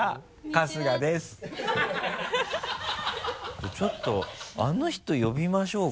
じゃあちょっとあの人呼びましょうか。